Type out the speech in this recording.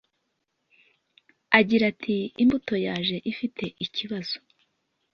Agira ati “Imbuto yaje ifite ikibazo